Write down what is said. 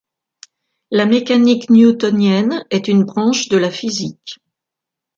La mécanique newtonienne est une branche de la physique.